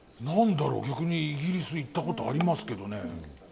逆にイギリス行ったことありますけどね。